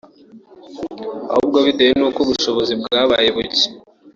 ahubwo bitewe nuko ubushobozi bwabaye buke